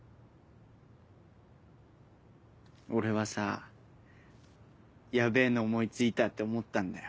俺はさぁヤベェの思い付いたって思ったんだよ。